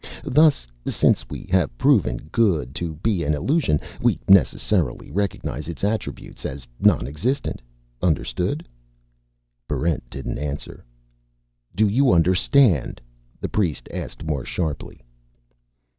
Thus, since we have proven Good to be an illusion, we necessarily recognize its attributes as nonexistent. Understood?" Barrent didn't answer. "Do you understand?" the priest asked more sharply.